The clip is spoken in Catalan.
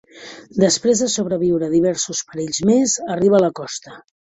Després de sobreviure a diversos perills més, arriba a la costa.